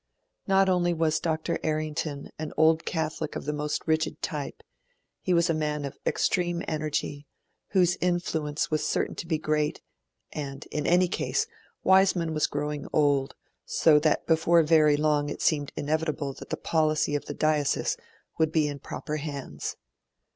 Not only was Dr. Errington an Old Catholic of the most rigid type, he was a man of extreme energy, whose influence was certain to be great; and, in any case, Wiseman was growing old, so that before very long it seemed inevitable that the policy of the diocese would be in proper hands.